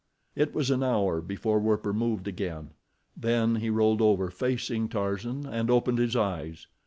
It was an hour before Werper moved again, then he rolled over facing Tarzan and opened his eyes.